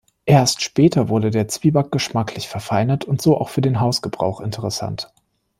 Erst später wurde der Zwieback geschmacklich verfeinert und so auch für den Hausgebrauch interessant.